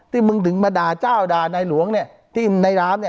ที่มึงถึงมาด่าเจ้าด่าราบนี้